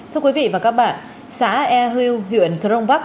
thưa quý vị và các bạn xã e hưu huyện trong vác